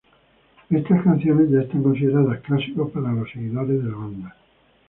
Estás canciones ya están consideradas clásicos para los seguidores de la banda.